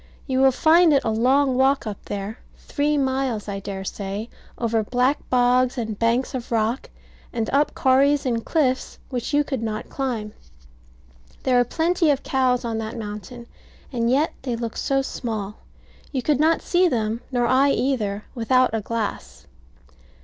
You will find it a long walk up there; three miles, I dare say, over black bogs and banks of rock, and up corries and cliffs which you could not climb. There are plenty of cows on that mountain: and yet they look so small, you could not see them, nor I either, without a glass.